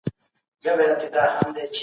تاسو د مثبت فکر په مرسته خپله وړتیا پیژنئ.